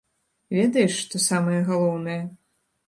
Ведаеш, што самае галоўнае?